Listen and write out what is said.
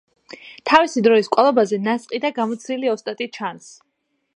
თავისი დროის კვალობაზე ნასყიდა გამოცდილი ოსტატი ჩანს.